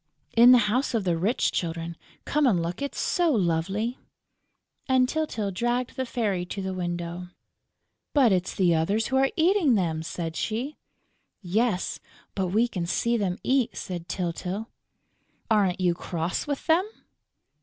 "In the house of the rich children.... Come and look, it's so lovely!" And Tyltyl dragged the Fairy to the window. "But it's the others who are eating them!" said she. "Yes, but we can see them eat," said Tyltyl. "Aren't you cross with them?"